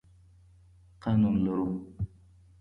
قانون لرو.